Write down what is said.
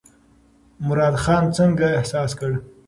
مراد ځان څنګه احساس کړ؟